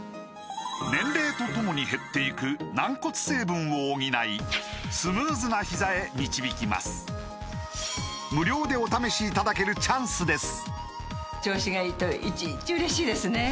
年齢とともに減っていく軟骨成分を補いスムーズなひざへ導きます無料でお試しいただけるチャンスです